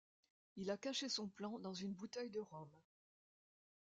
Il a caché son plan dans une bouteille de rhum.